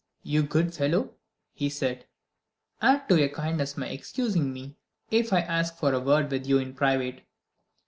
"You good fellow!" he said. "Add to your kindness by excusing me if I ask for a word with you in private."